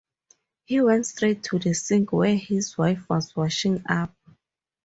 He went straight to the sink where his wife was washing up.